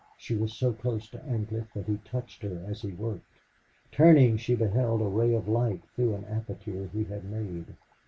She was so close to Ancliffe that he touched her as he worked. Turning, she beheld a ray of light through an aperture he had made.